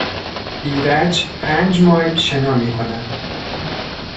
ایرج پنج مایل شنا میکند.